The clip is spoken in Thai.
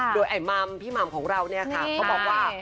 โดยไอ้มัมพี่หม่ำของเราเนี่ยค่ะเขาบอกว่า